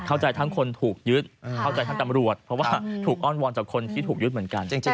เข้าใจทั้งคนถูกยึดเข้าใจทั้งตำรวจเพราะว่าถูกอ้อนวอนจากคนที่ถูกยึดเหมือนกัน